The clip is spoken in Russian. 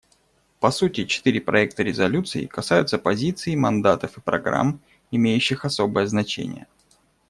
По сути, четыре проекта резолюций касаются позиций, мандатов и программ, имеющих особое значение.